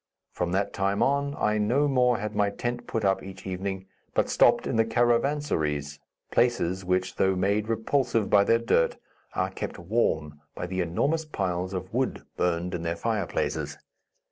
From that time on, I no more had my tent put up each evening, but stopped in the caravansarais; places which, though made repulsive by their dirt, are kept warm by the enormous piles of wood burned in their fireplaces.